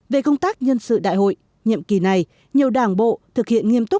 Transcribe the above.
về công tác nhân sự đại hội nhiệm kỳ này nhiều đảng bộ thực hiện nghiêm túc